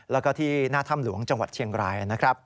และที่หน้าถ้ำหลวงจังหวัดเชียงราย